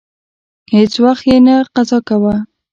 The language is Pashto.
هیڅ وخت یې نه قضا کاوه.